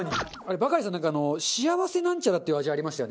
バカリさんなんかあのしあわせなんちゃらっていう味ありましたよね？